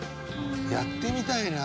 やってみたいな。